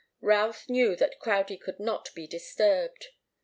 Routh knew that Crowdie could not be disturbed.